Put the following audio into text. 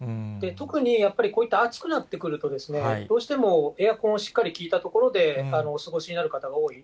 特にやっぱり、こういった暑くなってくるとですね、どうしてもエアコンをしっかり効いたところでお過ごしになる方が多い。